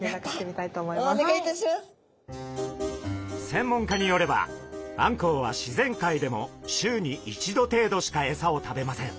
専門家によればあんこうは自然界でも週に１度程度しかエサを食べません。